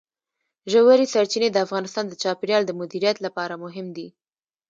ژورې سرچینې د افغانستان د چاپیریال د مدیریت لپاره مهم دي.